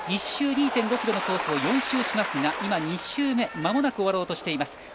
１周２．５ｋｍのコースを４周しますが今、２周目まもなく終わろうとしています。